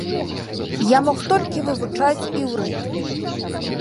Я мог толькі вывучаць іўрыт.